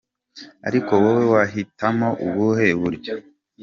Ari wowe wahitamo ubuhe buryo ??!!!.